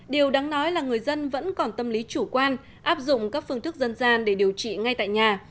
điều đáng nói là người dân vẫn còn tâm lý chủ quan áp dụng các phương thức dân gian để điều trị ngay tại nhà